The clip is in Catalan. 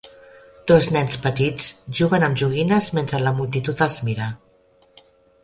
Dos nens petits juguen amb joguines mentre la multitud els mira.